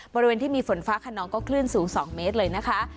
บริเวณที่มีฝนฟ้าขนองก็คลื่นสูง๒เมตรเลยนะคะ